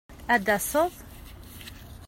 Ad d-taseḍ?